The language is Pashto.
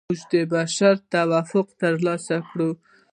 موږ د بشر توافق ترلاسه کوو.